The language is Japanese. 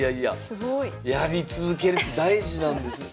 すごい。やり続けるって大事なんですね。